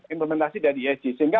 implementasi dari esg sehingga